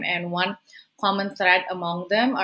dan satu kumpulan yang berbeda